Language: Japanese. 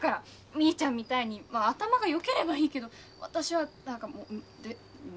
みーちゃんみたいにまあ頭がよければいいけど私は何かもうででできないしもう。